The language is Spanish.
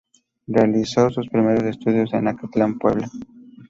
Realizó sus primeros estudios en Acatlán, Puebla.